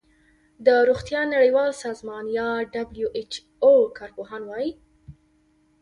د روغتیا نړیوال سازمان یا ډبلیو ایچ او کار پوهان وايي